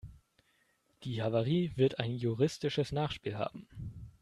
Die Havarie wird ein juristisches Nachspiel haben.